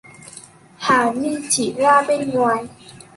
Hà ni chỉ ra bên ngoài